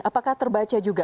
apakah terbaca juga